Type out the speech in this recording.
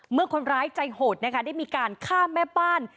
เมื่อคนร้ายใจโหดนะคะได้มีการฆ่าแม่บ้าน